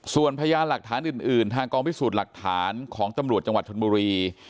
ส่วนพยานหลักฐานอื่นทางกองพิสูจน์หลักฐานของตำรวจจังหวัดชนบุรี